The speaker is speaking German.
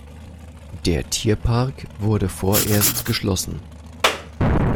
Der Tierpark wurde vorerst geschlossen.